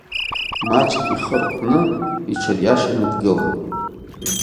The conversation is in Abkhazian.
Маҷк ихы рҟәны, иҽыриашаны дгылан.